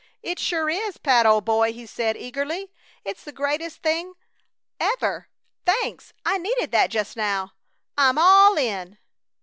"It sure is, Pat, old boy," he said, eagerly. "It's the greatest thing ever! Thanks! I needed that just now! I'm all in!"